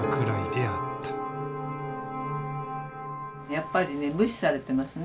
やっぱりね無視されてますね。